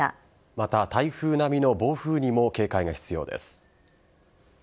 また台風並みの暴風にも警戒が必要です。